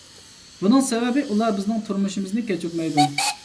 بۇنىڭ سەۋەبى، ئۇلار بىزنىڭ تۇرمۇشىمىزنى كەچۈرمەيدۇ.